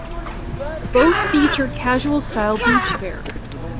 Both feature "casual style beach fare".